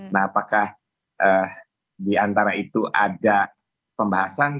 nah apakah di antara itu ada pembahasan